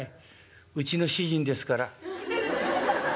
うちの主人ですから。